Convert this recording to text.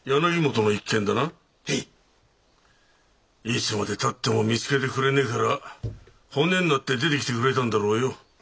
いつまでたっても見つけてくれねえから骨になって出てきてくれたんだろうよ。